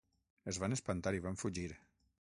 Es van espantar i van fugir.